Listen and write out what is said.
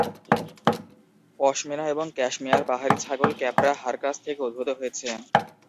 পশমিনা এবং ক্যাশমেয়ার পাহাড়ি ছাগল "ক্যাপ্রা হারকাস" থেকে উদ্ভূত হয়েছে।